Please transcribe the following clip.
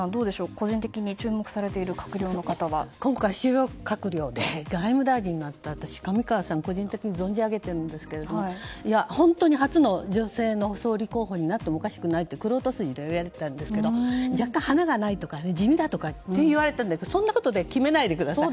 個人的に注目されている今回、主要閣僚で外務大臣になった上川さんは個人的に存じ上げているんですが初の女性総理大臣になってもおかしくないと玄人筋では言われていたんですけど若干、華がないとか地味とか言われたのでそんなことで決めないでください。